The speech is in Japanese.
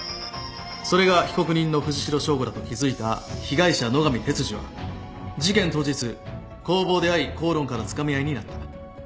それが被告人の藤代省吾だと気付いた被害者野上哲司は事件当日工房で会い口論からつかみ合いになった。